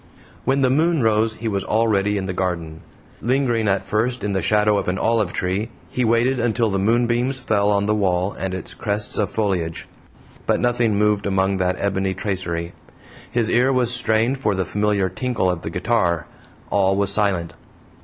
When the moon rose he was already in the garden. Lingering at first in the shadow of an olive tree, he waited until the moonbeams fell on the wall and its crests of foliage. But nothing moved among that ebony tracery; his ear was strained for the familiar tinkle of the guitar all was silent.